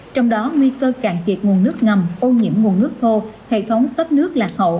trong đó nguy cơ cạn kiệt nguồn nước ngầm ô nhiễm nguồn nước thô hệ thống cấp nước lạc hậu